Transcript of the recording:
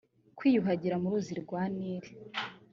kwiyuhagira mu ruzi rwa nili